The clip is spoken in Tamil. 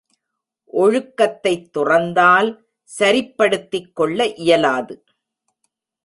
ஒழுக்கத்தைத் துறந்தால் சரிப்படுத்திக் கொள்ள இயலாது.